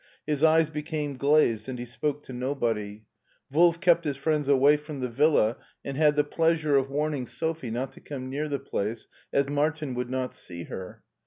His eyes became glazed and he spoke to nobody. Wolf kept his friends away from the villa, and had the pleasure of warning Sophie not to come near the place, as Martin would not see her.